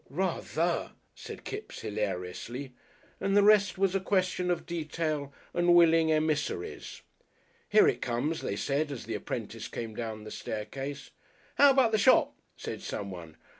"Rather!" said Kipps hilariously, and the rest was a question of detail and willing emissaries. "Here it comes!" they said as the apprentice came down the staircase. "How about the shop?" said someone.